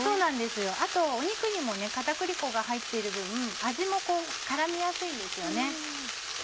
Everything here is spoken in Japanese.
あと肉にも片栗粉が入っている分味も絡みやすいんですよね。